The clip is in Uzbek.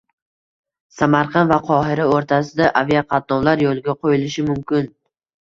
Samarqand va Qohira o‘rtasida aviaqatnovlar yo‘lga qo‘yilishi mumkinng